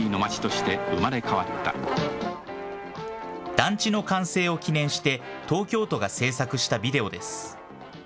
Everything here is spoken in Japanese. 団地の完成を記念して東京都が制作したビデオです。